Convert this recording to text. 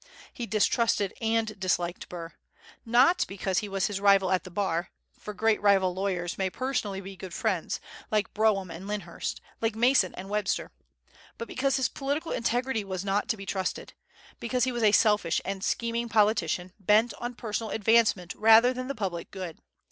He distrusted and disliked Burr; not because he was his rival at the Bar, for great rival lawyers may personally be good friends, like Brougham and Lyndhurst, like Mason and Webster, but because his political integrity was not to be trusted; because he was a selfish and scheming politician, bent on personal advancement rather than the public good.